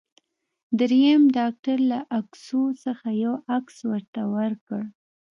دریم ډاکټر له عکسو څخه یو عکس ورته ورکړ.